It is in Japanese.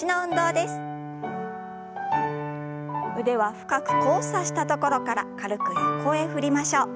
腕は深く交差したところから軽く横へ振りましょう。